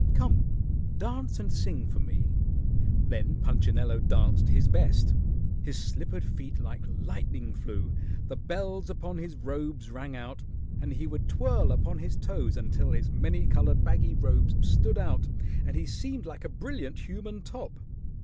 Come, dance and sing for me." Then Punchinello danced his best. His slippered feet like lightning flew; the bells upon his robes rang out, and he would twirl upon his toes until his many colored baggy robes stood out and he seemed like a brilliant human top.